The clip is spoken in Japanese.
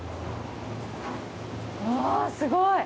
わすごい！